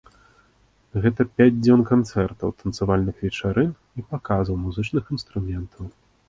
Гэта пяць дзён канцэртаў, танцавальных вечарын і паказаў музычных інструментаў.